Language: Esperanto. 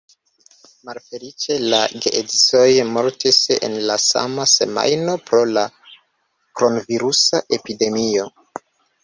Malfeliĉe, la geedzoj mortis en la sama semajno pro la kronvirusa epidemio.